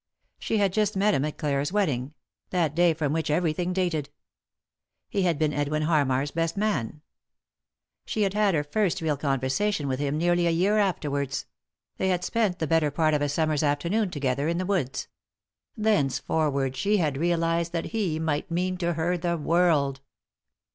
She had just met him at Clare's wedding; that day from which everything dated. He had been Edwin Harmar's best man. She had had her first real conversation with him nearly a year afterwards ; they had spent the better part of a summer's afternoon together in the woods. Thence forward she had realised that he might mean to her the world.